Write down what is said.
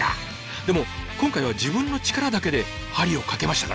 でも今回は自分の力だけで針をかけましたからね。